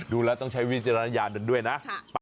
ดูแล้วต้องใช้วิจารณญาณกันด้วยนะ